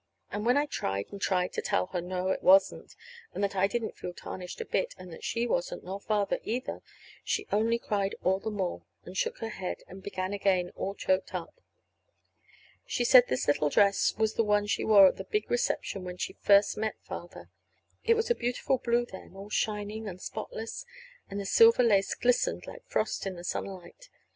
And when I tried and tried to tell her no, it wasn't, and that I didn't feel tarnished a bit, and that she wasn't, nor Father either, she only cried all the more, and shook her head and began again, all choked up. She said this little dress was the one she wore at the big reception where she first met Father. It was a beautiful blue then, all shining and spotless, and the silver lace glistened like frost in the sunlight.